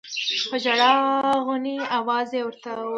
په ژړا غوني اواز يې ورته وويل.